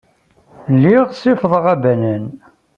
Lliɣ ssifiḍeɣ abanan.